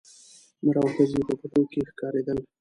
نر او ښځي په پټو کښي ښکارېدل